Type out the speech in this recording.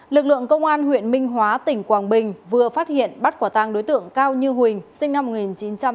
lực lượng công an huyện minh hóa tỉnh quảng bình vừa phát hiện bắt quả tang đối tượng cao như huỳnh sinh năm một nghìn chín trăm tám mươi ba